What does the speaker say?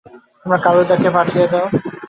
তোর কালুদাকে পাঠিয়ে দে।